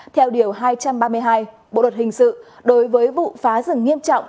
theo điều hai trăm ba mươi hai bộ luật hình sự đối với vụ phá rừng nghiêm trọng